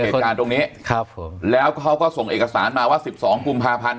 เหตุการณ์ตรงนี้ครับผมแล้วเขาก็ส่งเอกสารมาว่าสิบสองกุมภาพันธ์